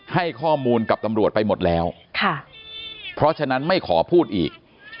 ให้ข้อมูลกับตำรวจไปหมดแล้วค่ะเพราะฉะนั้นไม่ขอพูดอีก